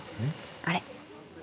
あれ。